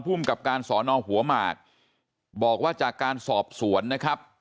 ภูมิกับการสอนอหัวหมากบอกว่าจากการสอบสวนนะครับ